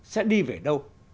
sẽ đi về đâu